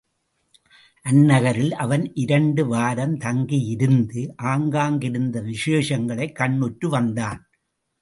அந்நகரில் அவன் இரண்டு வாரம் தங்கியிருந்து, ஆங்காங்கிருந்த விசேஷங்களைக் கண்ணுற்று வந்தான்.